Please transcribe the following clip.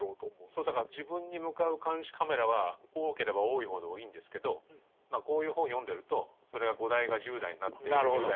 そうだから自分に向かう「監視カメラ」は多ければ多いほどいいんですけどこういう本を読んでるとそれが５台が１０台になってなるほど。